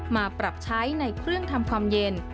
มาปรับใช้ในเครื่องทำความเย็น